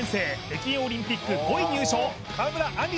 北京オリンピック５位入賞川村あん